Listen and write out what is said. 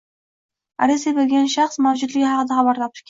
ariza bergan shaxs mavjudligi haqida xabar topdik